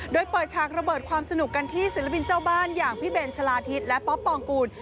โดยเปิดฉากระเบิดความสนุกกันที่ศิลปินเจ้าบ้านอย่างพี่เบนชะลาทิศและป๊อปปองกูล